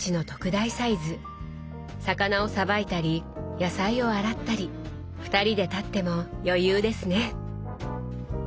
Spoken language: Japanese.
魚をさばいたり野菜を洗ったり２人で立っても余裕ですね。